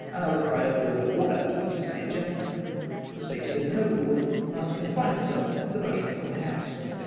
(Another cry of order, order, from the same gentlemen. The Speaker said the Noble Lord must confine himself to the motion before the House.)